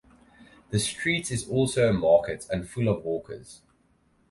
The street is also a market and full of hawkers.